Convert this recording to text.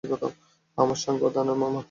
আমি সাঙ্গেয়া, ধানার মামা।